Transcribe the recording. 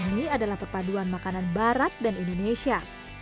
ini adalah perpaduan makanan barat dan indonesia